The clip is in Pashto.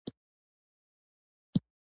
زه د میشیګن له پراخو اوارو ځنګلونو ستړی شوی یم.